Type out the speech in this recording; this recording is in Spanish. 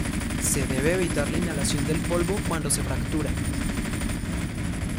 Se debe evitar la inhalación del polvo cuando se fractura.